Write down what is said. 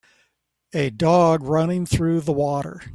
A dog running through the water